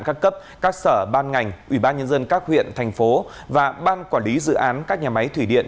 các cấp các sở ban ngành ubnd các huyện thành phố và ban quản lý dự án các nhà máy thủy điện